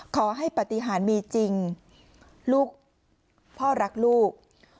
ขอให้ปฏิหารมีจริงลูกพ่อรักลูก